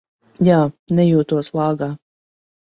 Jā, nejūtos lāgā.